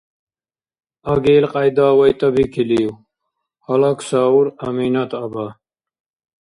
— Аги илкьяйда вайтӀабикилив? — гьалаксаур Аминат-аба.